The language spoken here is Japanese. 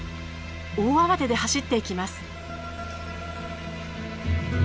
大慌てで走っていきます。